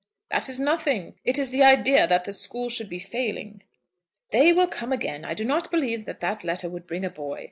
"That is nothing, nothing. It is the idea that the school should be failing." "They will come again. I do not believe that that letter would bring a boy.